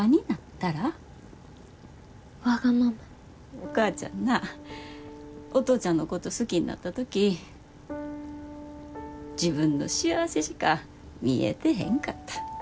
お母ちゃんなお父ちゃんのこと好きになった時自分の幸せしか見えてへんかった。